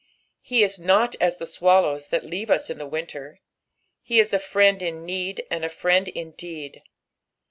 Be ia not as the swallows that leave ua in the winter ; he is a friend in need and a friend Indeed.